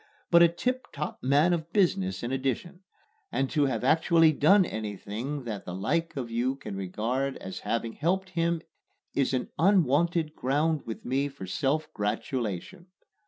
but a tip top man of business in addition; and to have actually done anything that the like of you can regard as having helped him is an unwonted ground with me for self gratulation.